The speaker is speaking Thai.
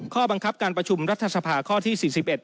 ข้อบังคับการประชุมรัฐสภาข้อที่๔๑